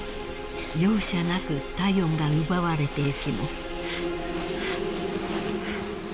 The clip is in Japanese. ［容赦なく体温が奪われてゆきます］